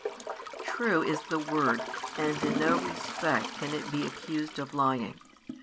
True is the word and in no respect can it be accused of lying.